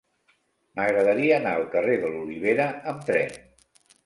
M'agradaria anar al carrer de l'Olivera amb tren.